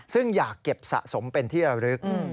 ซึ่งอยากเก็บสะสมเป็นที่ระลึก